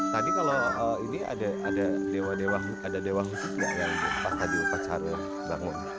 tadi kalau ini ada dewa dewa ada dewa khusus nggak yang pas tadi upacara bangun